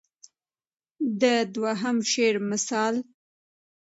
د دوهم شعر مثال.